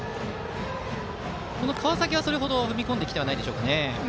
川崎はそれほど踏み込んできてないですか？